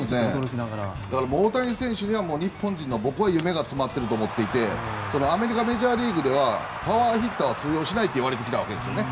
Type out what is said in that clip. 大谷選手には日本人の夢が詰まっていると思っていてアメリカのメジャーリーグではパワーヒッターは通用しないといわれてきたわけですよね。